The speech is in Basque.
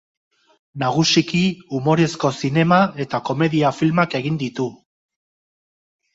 Nagusiki umorezko zinema eta komedia filmak egin ditu.